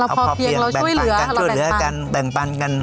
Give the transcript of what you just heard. เราพอเพียงเราช่วยเหลือเราแบ่งปันกันแบ่งปันกัน